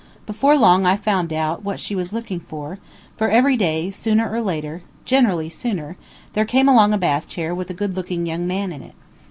Before long I found out what she was looking for, for every day, sooner or later, generally sooner, there came along a bath chair with a good looking young man in it.